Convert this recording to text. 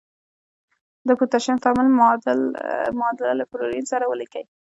د پوتاشیم تعامل معادله له فلورین سره ولیکئ.